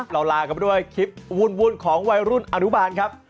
ลากันไปด้วยคลิปวุ่นของวัยรุ่นอนุบาลครับ